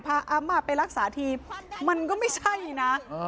อ้ำไปรักษาทีมันก็ไม่ใช่นะ